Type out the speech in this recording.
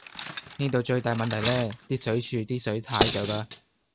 呢度最大問題呢，啲水柱啲水太弱呀